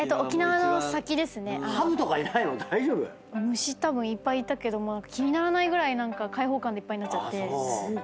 虫たぶんいっぱいいたけど気にならないぐらい開放感でいっぱいになっちゃって。